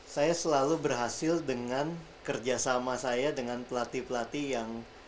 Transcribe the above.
saya selalu berhasil dengan kerjasama saya dengan pelatih pelatih yang